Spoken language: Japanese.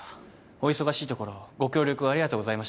お忙しいところご協力ありがとうございました。